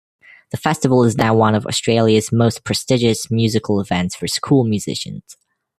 The festival is now one of Australia's most prestigious musical events for school musicians.